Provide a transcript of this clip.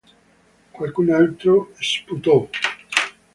Qualcun altro sputò